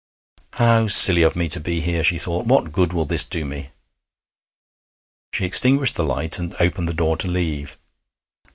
'How silly of me to be here!' she thought. 'What good will this do me?' She extinguished the light and opened the door to leave.